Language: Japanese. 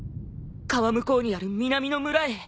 川向こうにある南の村へ。